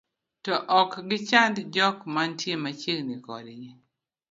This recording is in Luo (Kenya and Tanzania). to ok gichand jok manitie machiegni kodgi